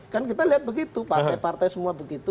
kan kita lihat begitu partai partai semua begitu